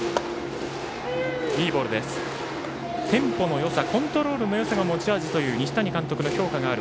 テンポのよさコントロールのよさが持ち味という西谷監督の評価がある